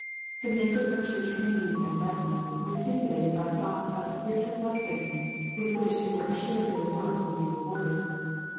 The makers of church hangings and vestments were stimulated by thoughts of the spiritual blessings with which they were assured their work would be rewarded.